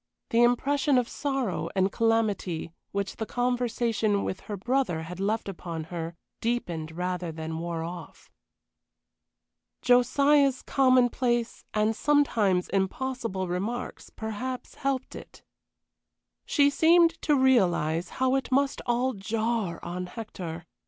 The impression of sorrow and calamity which the conversation with her brother had left upon her deepened rather than wore off. Josiah's commonplace and sometimes impossible remarks perhaps helped it. She seemed to realize how it must all jar on Hector.